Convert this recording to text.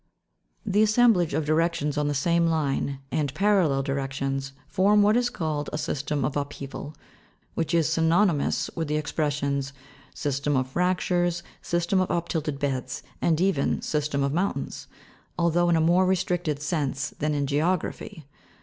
20. The assemblage of directions on the same line, and paral lel directions, form what is called a system of upheaval, which is synonymous with the expressions, system of fractures, system of uptilted tfeds, and even system of mountains, although in a more restricted sense than in geography.